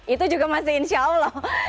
itu juga masih insya allah